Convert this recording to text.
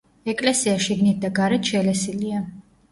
ეკლესია შიგნით და გარეთ შელესილია.